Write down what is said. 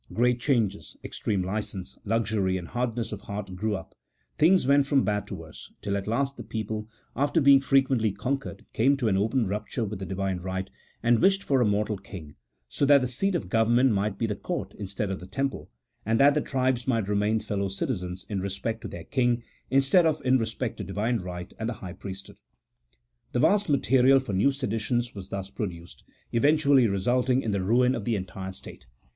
Great changes, extreme license, luxury, and hard ness of heart grew up ; things went from bad to worse, till at last the people, after being frequently conquered, came to an open rupture with the Divine right, and wished for a mortal king, so that the seat of government might be the Court, instead of the Temple, and that the tribes might remain fellow citizens in respect to their king, instead of in respect to Divine right and the high priesthood. A vast material for new seditions was thus produced, eventually resulting in the ruin of the entire state.